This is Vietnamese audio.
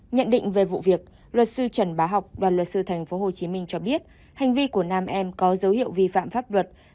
nhận định về vụ việc luật sư trần bá học đoàn luật sư tp hcm cho biết hành vi của nam em có dấu hiệu vi phạm pháp luật